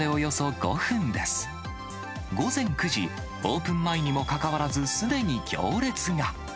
午前９時、オープン前にもかかわらず、すでに行列が。